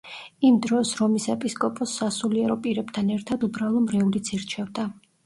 იმ დროს რომის ეპისკოპოსს სასულიერო პირებთან ერთად უბრალო მრევლიც ირჩევდა.